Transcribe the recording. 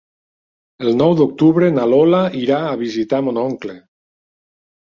El nou d'octubre na Lola irà a visitar mon oncle.